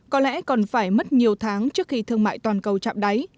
có lẽ còn phải mất nhiều tháng trước khi thương mại toàn cầu chạm đáy